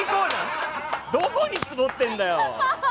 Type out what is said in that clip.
どこにツボってんだよ。